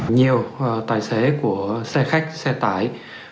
nhiều tài xế của xe khách xe tải